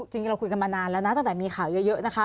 จริงเราคุยกันมานานแล้วนะตั้งแต่มีข่าวเยอะนะคะ